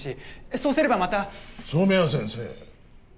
そうすればまた染谷先生